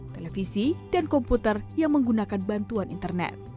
televisi dan komputer yang menggunakan bantuan internet